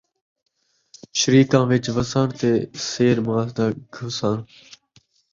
شریکاں وِچ وسݨ تے سیر ماس دا گھسّݨ